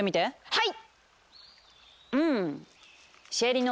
はい！